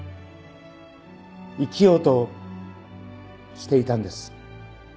生きようとしていたんです。